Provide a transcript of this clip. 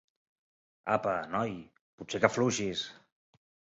Apa, noi, potser que afluixis!